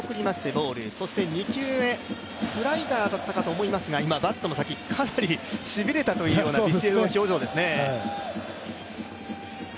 ボール２球目、スライダーだったかと思いますがバットの先、かなりしびれたというようなビシエドの表情ですね。